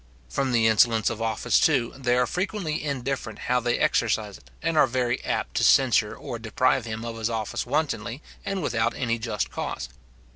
From the insolence of office, too, they are frequently indifferent how they exercise it, and are very apt to censure or deprive him of his office wantonly and without any just cause.